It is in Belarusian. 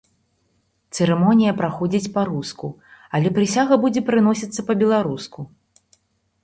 Цырымонія праходзіць па-руску, але прысяга будзе прыносіцца па-беларуску.